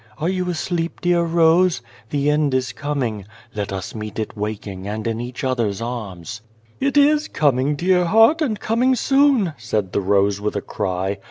Are you asleep, dear rose ? The end is coming. Let us meet it waking, and in each other's arms." " It is coming, dear heart, and coming soon," said the rose with a cry.